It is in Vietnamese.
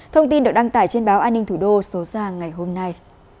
thông tin được đăng tải trên báo an ninh thủ đô số ra ngày hôm nay